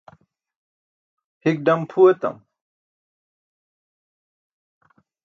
hik ḍam phu etam